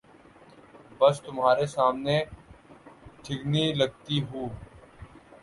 بس تمہارے سامنے ٹھگنی لگتی ہوں۔